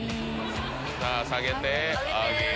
さぁ下げて上げる。